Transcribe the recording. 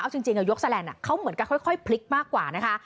เอาจริงยกแสลนด์เขาเหมือนกับค่อยพลิกมากกว่านะคะ